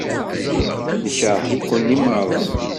Nekṛeh-iken i meṛṛa.